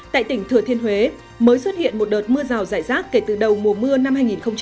tại tỉnh thừa thiên huế mới xuất hiện một đợt mưa rào rải rác kể từ đầu mùa mưa năm hai nghìn một mươi chín